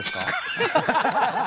ハハハハ！